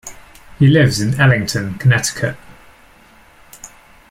He lives in Ellington, Connecticut.